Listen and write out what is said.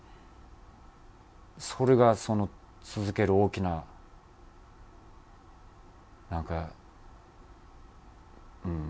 それが続ける大きななんかうん。